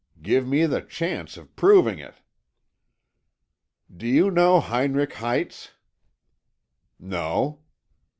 Give me the chance of proving it." "Do you know Heinrich Heitz?" "No."